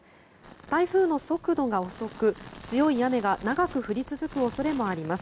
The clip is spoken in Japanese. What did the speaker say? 台風の速度が遅く強い雨が長く降り続く恐れもあります。